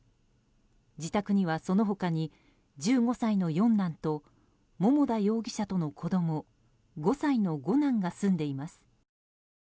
自宅にはその他に１５歳の四男と桃田容疑者との子供５歳の五男が住んでいます。